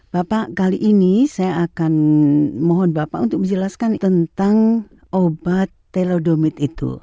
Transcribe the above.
bapak kali ini saya akan mohon bapak untuk menjelaskan tentang obat telodomit itu